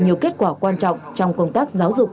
nhiều kết quả quan trọng trong công tác giáo dục